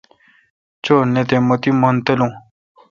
چو نہ تے مہ تی مون تالو۔